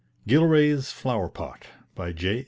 GILRAY'S FLOWER POT By J.